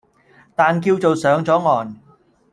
但叫做上咗岸